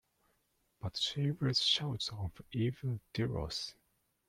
But Shaver's shouts of 'evil Deros!